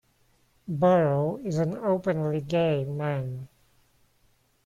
Borrow is an openly gay man.